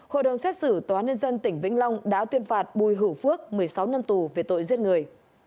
hội đồng xét xử tòa nhân dân tỉnh vĩnh long đã tuyên phạt bùi hữu phước một mươi sáu năm tù về tội giết người